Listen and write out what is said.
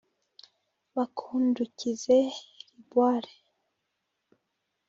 Bakundukize Liboire